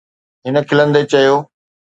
هن کلندي چيو.